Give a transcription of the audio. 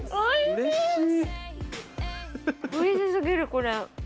美味しすぎるこれ。